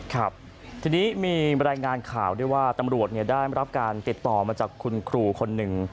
ครับทีนี้มีรายงานข่าวด้วยว่าตำรวจได้รับการติดต่อมาจากคุณครูคนหนึ่ง